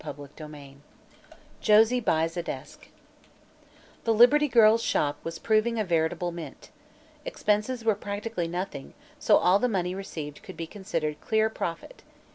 CHAPTER XII JOSIE BUYS A DESK The "Liberty Girls' Shop" was proving a veritable mint. Expenses were practically nothing, so all the money received could be considered clear profit.